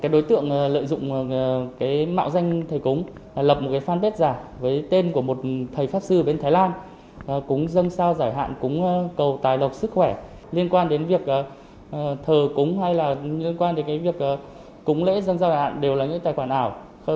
đối tượng lợi dụng mạo danh thầy cúng lập một fanpage giả với tên của một thầy pháp sư bên thái lan cúng dân sao giải hạn cúng cầu tài lộc sức khỏe liên quan đến việc thờ cúng hay là liên quan đến việc cúng lễ dân giao đà đều là những tài khoản ảo